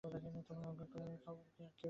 তোমাকে অজ্ঞান করার আর কী দরকার?